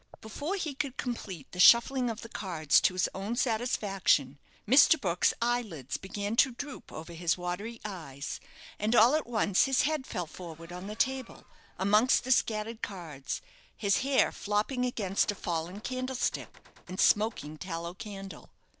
Before he could complete the shuffling of the cards to his own satisfaction, Mr. Brook's eyelids began to droop over his watery eyes, and all at once his head fell forward on the table, amongst the scattered cards, his hair flopping against a fallen candlestick and smoking tallow candle.